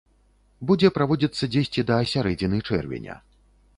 Будзе праводзіцца дзесьці да сярэдзіны чэрвеня.